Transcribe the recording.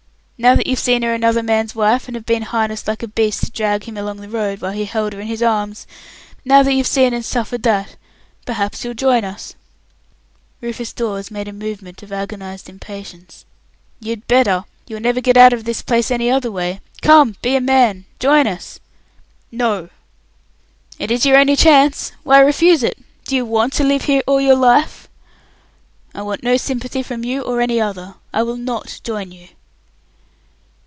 Now that you've seen her another man's wife, and have been harnessed like a beast to drag him along the road, while he held her in his arms! now that you've seen and suffered that, perhaps you'll join us." Rufus Dawes made a movement of agonized impatience. "You'd better. You'll never get out of this place any other way. Come, be a man; join us!" "No!" "It is your only chance. Why refuse it? Do you want to live here all your life?" "I want no sympathy from you or any other. I will not join you."